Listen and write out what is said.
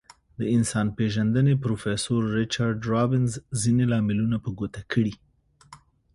د انسان پیژندنې پروفیسور ریچارد رابینز ځینې لاملونه په ګوته کړي.